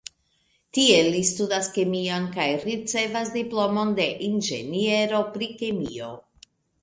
Tie li studas kemion kaj ricevas diplomon de inĝeniero pri kemio.